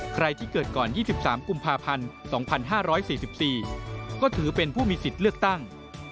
ใครที่เกิดก่อน๒๓กุมภาพันธ์๒๕๔๔ก็ถือเป็นผู้มีสิทธิ์เลือกตั้ง